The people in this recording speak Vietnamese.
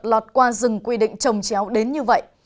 lọt qua dừng quy định trồng chéo đến như vậy